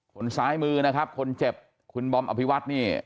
คนซ้ายมือนะครับคนเจ็บคุณบอมอภิวัตนี่